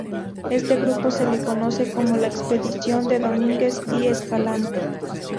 Este grupo se le conoce como la Expedición de Domínguez y Escalante.